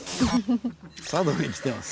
佐渡に来てます。